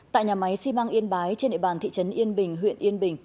tại nhà máy xi măng yên bái trên địa bàn thị trấn yên bình huyện yên bình